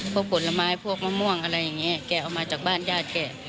ผลไม้พวกมะม่วงอะไรอย่างนี้แกเอามาจากบ้านญาติแก